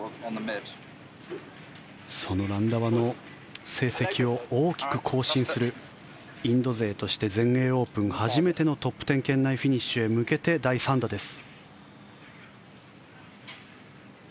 そのランダワの成績を大きく更新するインド勢として全英オープントップ１０圏内フィニッシュに向けて第３打です。